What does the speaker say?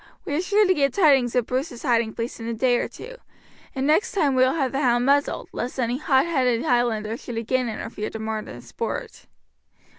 We are sure to get tidings of Bruce's hiding place in a day or two, and next time we will have the hound muzzled, lest any hotheaded Highlander should again interfere to mar the sport."